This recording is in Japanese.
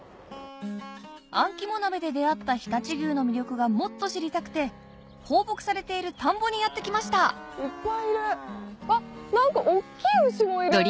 あん肝鍋で出合った常陸牛の魅力がもっと知りたくて放牧されている田んぼにやって来ましたいっぱいいるあっ何か大っきい牛もいる。